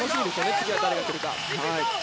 次は誰が来るのか。